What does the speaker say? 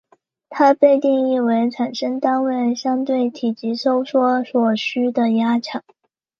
它被定义为产生单位相对体积收缩所需的压强。